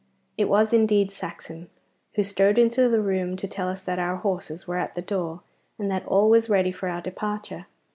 It was indeed Saxon, who strode into the room to tell us that our horses were at the door, and that all was ready for our departure.